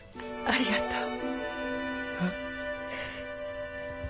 ありがとう。